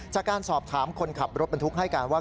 จากการสอบถามคนขับรถบรรทุกให้การว่า